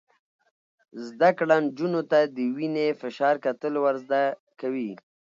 زده کړه نجونو ته د وینې فشار کتل ور زده کوي.